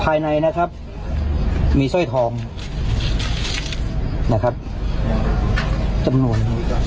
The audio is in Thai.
ภายในนะครับมีสร้อยทองนะครับจำนวน